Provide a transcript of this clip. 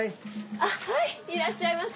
あっはいいらっしゃいませ。